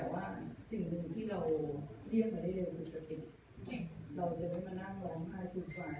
แต่ว่าสิ่งหนึ่งที่เราเรียกไปได้เร็วคือสเปคร์ติ้งเราจะไม่มานั่งร้อนพายตุฟาย